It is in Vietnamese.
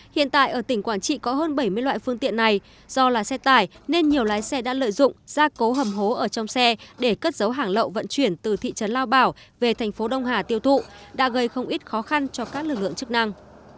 hiện tại ở tỉnh quảng trị có hơn bảy mươi loại phương tiện này do là xe tải nên nhiều lái xe đã lợi dụng ra cố hầm hố ở trong xe để cất dấu hàng lậu vận chuyển từ thị trấn lao bảo về thành phố đông hà tiêu thụ đã gây không ít khó khăn cho các lực lượng chức năng